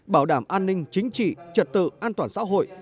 bảo đảm an ninh chính trị trật tự an toàn xã hội